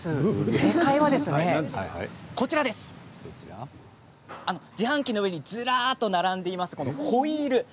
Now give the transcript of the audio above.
正解は自販機の上にずらりと並んでいるホイール